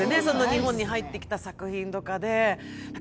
日本に入ってきた作品とかで。